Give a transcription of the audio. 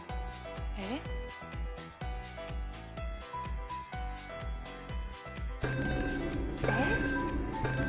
えっ？えっ？